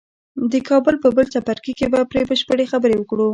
د کتاب په بل څپرکي کې به پرې بشپړې خبرې وکړو.